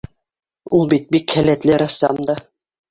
— Ул бит бик һәләтле рәссам да...